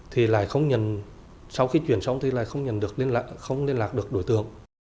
thì lại không nhận sau khi chuyển xong thì lại không nhận được không liên lạc được đối tượng